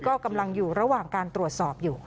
ก็กำลังอยู่ระหว่างการตรวจสอบอยู่